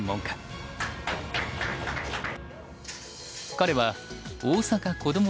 彼は大阪こども